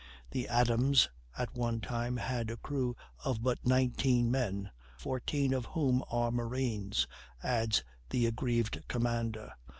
The Adams at one time had a crew of but nineteen men "fourteen of whom are marines," adds the aggrieved commander.